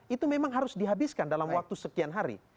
itu memang harus dihabiskan dalam waktu sekian hari